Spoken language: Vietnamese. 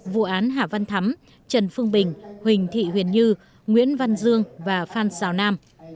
vụ án hà văn thắm trần phương bình huỳnh thị huyền như nguyễn văn dương và phan xào nam